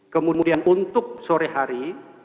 kemudian untuk sore hari